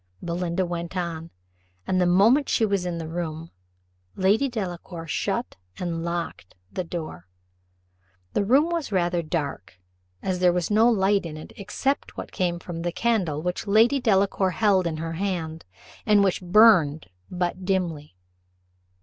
Belinda went on, and the moment she was in the room, Lady Delacour shut and locked the door. The room was rather dark, as there was no light in it except what came from the candle which Lady Delacour held in her hand, and which burned but dimly.